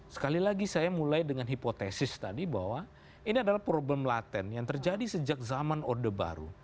sekali lagi saya mulai dengan hipotesis tadi bahwa ini adalah problem laten yang terjadi sejak zaman orde baru